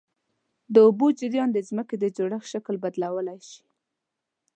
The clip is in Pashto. د اوبو جریان د ځمکې د جوړښت شکل بدلولی شي.